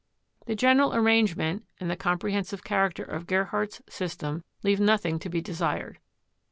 The general arrangement and the comprehensive char acter of Gerhardt's system leave nothing to be desired.